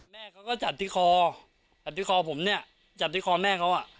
แม่เขาก็จัดที่คอจัดที่คอผมเนี่ยจัดที่คอแม่เขาอ่ะ